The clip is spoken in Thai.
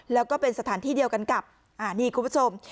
แล้วก็เป็นสถานที่เดียวกันกับนี่คุณผู้ชม